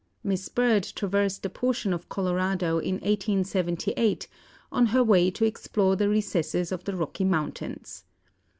Miss Bird traversed a portion of Colorado in 1878, on her way to explore the recesses of the Rocky Mountains.